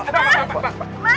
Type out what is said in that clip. pak pak pak